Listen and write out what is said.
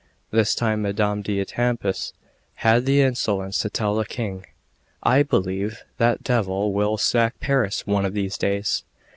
This time Madame d'Etampes had the insolence to tell the King: "I believe that devil will sack Paris one of these days."